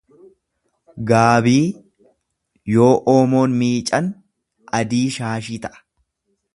Gaabii yoo oomoon miican adii shaashii ta’a